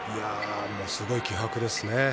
すごい気迫ですね。